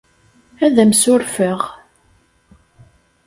Ad am-ssurfeɣ.